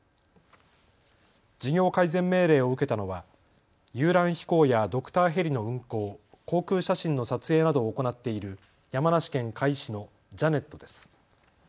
事業改善命令を受けたのは遊覧飛行やドクターヘリの運航、航空写真の撮影などを行っている山梨県甲斐市のジャネットです。